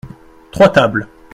Trois tables.